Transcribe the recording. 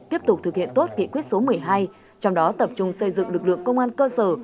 tiếp tục thực hiện tốt nghị quyết số một mươi hai trong đó tập trung xây dựng lực lượng công an cơ sở